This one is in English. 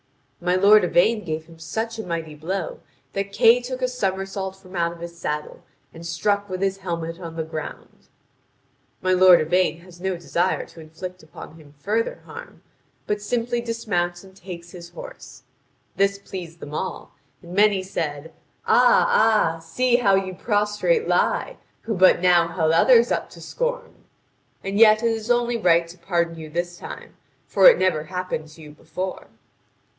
My lord Yvain gave him such a mighty blow that Kay took a summersault from out of his saddle and struck with his helmet on the ground. My lord Yvain has no desire to inflict upon him further harm, but simply dismounts and takes his horse. This pleased them all, and many said: "Ah, ah, see how you prostrate lie, who but now held others up to scorn! And yet it is only right to pardon you this time; for it never happened to you before."